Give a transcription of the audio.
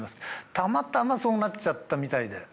たまたまそうなっちゃったみたいで。